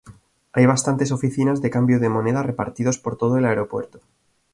Hay bastantes oficinas de cambio de moneda repartidos por todo el aeropuerto.